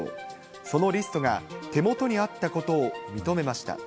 そのリストが、手元にあったことを認めました。